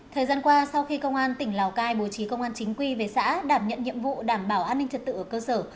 thời gian qua sau khi công an tỉnh lào cai bố trí công an chính quy về xã đảm nhận nhiệm vụ đảm bảo an ninh trật tự ở cơ sở